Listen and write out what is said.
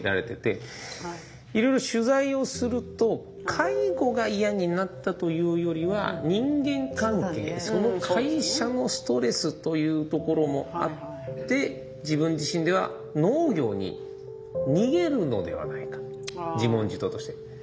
いろいろ取材をすると介護が嫌になったというよりは人間関係その会社のストレスというところもあって自分自身では農業に逃げるのではないか自問自答として。